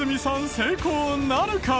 成功なるか？